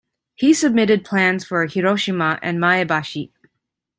He submitted plans for Hiroshima and Maebashi.